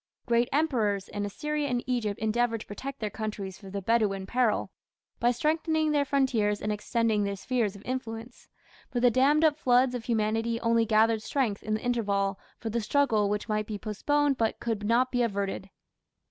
Great emperors in Assyria and Egypt endeavoured to protect their countries from the "Bedouin peril" by strengthening their frontiers and extending their spheres of influence, but the dammed up floods of humanity only gathered strength in the interval for the struggle which might be postponed but could not be averted.